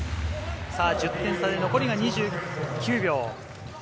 １０点差で残りが２９秒。